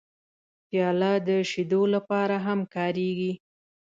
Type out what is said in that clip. پیاله د شیدو لپاره هم کارېږي.